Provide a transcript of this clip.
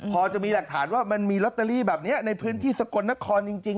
พอจะมีหลักฐานว่ามันมีลอตเตอรี่แบบนี้ในพื้นที่สกลนครจริง